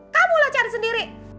kamulah cari sendiri